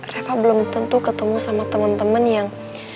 reva belum tentu ketemu sama temen temen yang